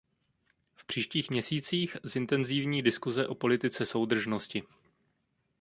V příštích měsících zintenzívní diskuse o politice soudržnosti.